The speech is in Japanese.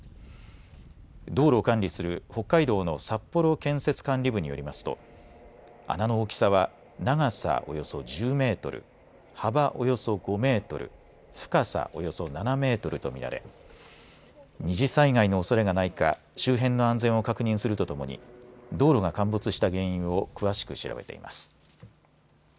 道路を管理する北海道の札幌建設管理部によりますと穴の大きさは長さおよそ１０メートル、幅およそ５メートル、深さおよそ７メートルと見られ二次災害のおそれがないか周辺の安全を確認するとともに道路が陥没した原因を詳しく調べています。